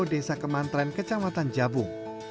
desa kementerian kecamatan jabung